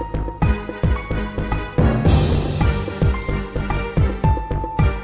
ติดตามต่อไป